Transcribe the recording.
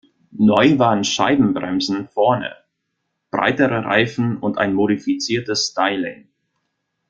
Neu waren Scheibenbremsen vorne, breitere Reifen und ein modifiziertes Styling.